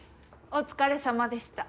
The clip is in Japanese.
おつかれさまでした。